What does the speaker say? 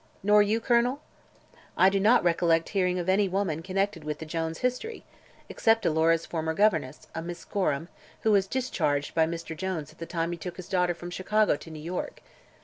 "Nor you, Colonel?" "I do not recollect hearing of any woman connected with the Jones history except Alora's former governess, a Miss Gorham, who was discharged by Mr. Jones at the time he took his daughter from Chicago to New York."